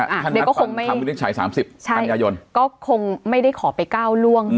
อ่าเดี๋ยวก็คงไม่อ่าเรื่องก็คงไม่ได้ขอไปก้าวล่วงอืม